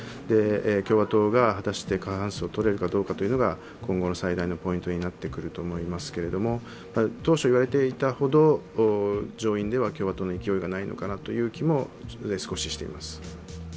共和党が果たして過半数をとれるかどうかというところが今後の最大のポイントになってくると思いますけども当初いわれていたほど、上院では共和党の勢いがないのかなという気も少ししています。